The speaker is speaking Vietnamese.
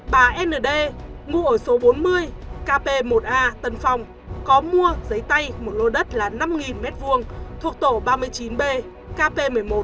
bà nd mua ở số bốn mươi kp một a tân phong có mua giấy tay một lô đất là năm m hai thuộc tổ ba mươi chín b kp một mươi một